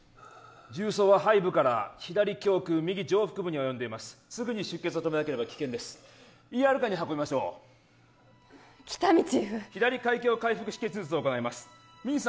銃創は背部から左胸腔右上腹部に及んでいますすぐに出血を止めなければ危険ですＥＲカーに運びましょう喜多見チーフ左開胸開腹止血術を行いますミンさん